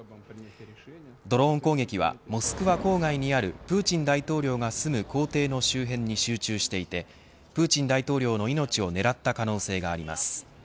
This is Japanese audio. ドローン攻撃はモスクワ郊外にあるプーチン大統領が住む公邸の周辺に集中していてプーチン大統領の命を狙った可能性があります。